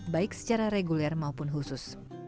baik secara reguler maupun khusus